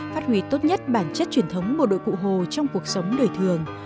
phát huy tốt nhất bản chất truyền thống bộ đội cụ hồ trong cuộc sống đời thường